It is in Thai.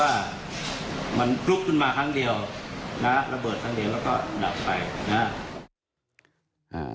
ระเบิดครั้งเดียวแล้วก็หลับไป